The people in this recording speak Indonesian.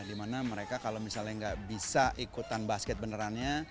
dimana mereka kalau misalnya nggak bisa ikutan basket benerannya